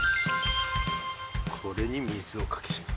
これに水をかける。